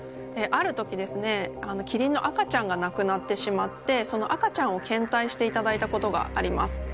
ある時ですねキリンの赤ちゃんが亡くなってしまってその赤ちゃんを献体していただいたことがあります。